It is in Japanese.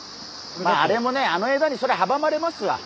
まああれもねあの枝にそりゃはばまれますわ。